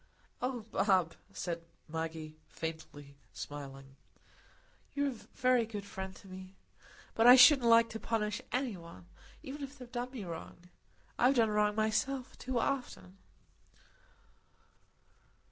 "Oh, Bob," said Maggie, smiling faintly, "you're a very good friend to me. But I shouldn't like to punish any one, even if they'd done me wrong; I've done wrong myself too often."